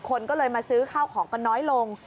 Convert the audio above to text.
คนก็เลยมาซื้อข้าวของกันน้อยลง